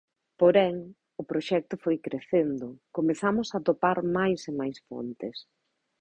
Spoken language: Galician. Porén, o proxecto foi crecendo: comezamos a atopar máis e máis fontes.